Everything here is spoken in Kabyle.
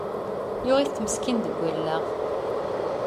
Yuɣ-itent meskin deg allaɣ!